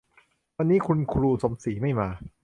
วันนี้คุณครูสมศรีไม่มา